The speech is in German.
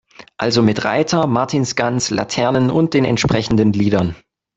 Also mit Reiter, Martinsgans, Laternen und den entsprechenden Liedern.